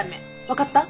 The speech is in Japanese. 分かった？